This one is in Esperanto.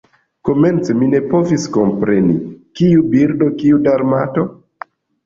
Komence mi ne povis kompreni, kiu birdo, kiu Dalmato?